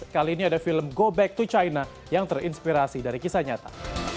kali ini ada film go back to china yang terinspirasi dari kisah nyata